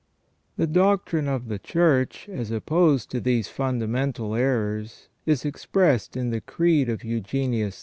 * The doctrine of the Church as opposed to these fundamental errors is expressed in the Creed of Eugenius IV.